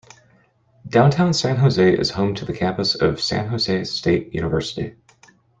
Downtown San Jose is home to the campus of San Jose State University.